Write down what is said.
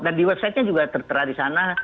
dan di websitenya juga tertera di sana